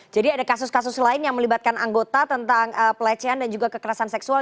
jadi ada kasus kasus lain yang melibatkan anggota tentang pelecehan dan juga kekerasan seksual